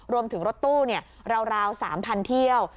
รวมถึงรถตู้ราว๓๐๐๐เที่ยว